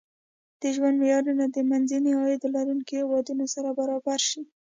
د ژوند معیارونه د منځني عاید لرونکو هېوادونو سره برابر شي.